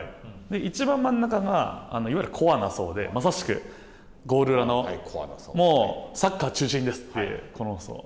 いちばん真ん中がいわゆるコアな層で、まさしくゴール裏の、もうサッカー中心ですという、この層。